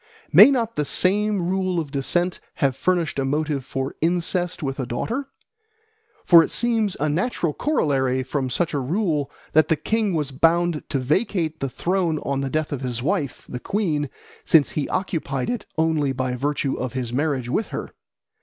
May not the same rule of descent have furnished a motive for incest with a daughter? For it seems a natural corollary from such a rule that the king was bound to vacate the throne on the death of his wife, the queen, since he occupied it only by virtue of his marriage with her.